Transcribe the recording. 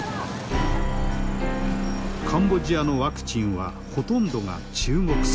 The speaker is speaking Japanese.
カンボジアのワクチンはほとんどが中国製。